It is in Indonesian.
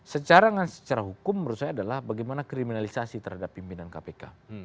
secara hukum menurut saya adalah bagaimana kriminalisasi terhadap pimpinan kpk